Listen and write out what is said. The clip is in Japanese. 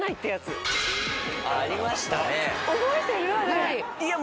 はい。